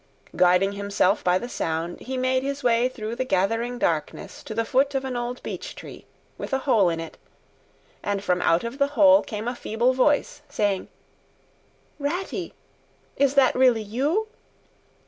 Guiding himself by the sound, he made his way through the gathering darkness to the foot of an old beech tree, with a hole in it, and from out of the hole came a feeble voice, saying "Ratty! Is that really you?"